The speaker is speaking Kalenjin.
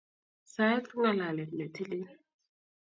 Saet ko ng'alalet ne tilil